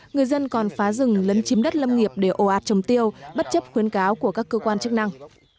người dân còn phá rừng lấn chiếm đất lâm nghiệp để ồ ạt trồng tiêu bất chấp khuyến cáo của các cơ quan chức năng